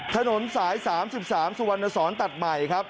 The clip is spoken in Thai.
ถนนสาย๓๓สุวรรณสอนตัดใหม่ครับ